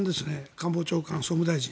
官房長官、総務大臣。